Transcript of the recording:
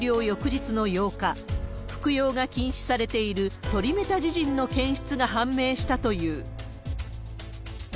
翌日の８日、服用が禁止されているトリメタジジンの検出が判明したという。